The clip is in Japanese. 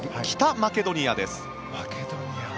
北マケドニアです。